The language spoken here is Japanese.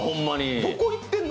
どこ行ってんの？